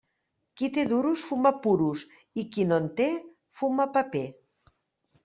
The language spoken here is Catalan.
Qui té duros fuma puros i qui no en té fuma paper.